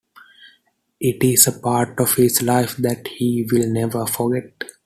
It is a part of his life that he will never forget.